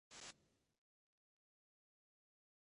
自分はお道化に依って家族を笑わせ